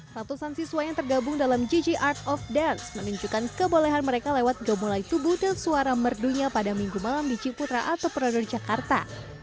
ratusan siswa yang tergabung dalam gg art of dance menunjukkan kebolehan mereka lewat gemulai tubuh dan suara merdunya pada minggu malam di ciputra atau prado jakarta